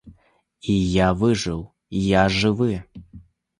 І я выжыў, я жывы.